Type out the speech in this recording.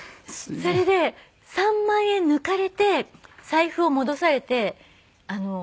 それで３万円抜かれて財布を戻されて。